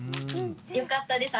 よかったです。